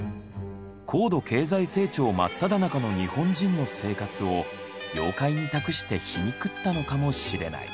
高度経済成長真っただ中の日本人の生活を妖怪に託して皮肉ったのかもしれない。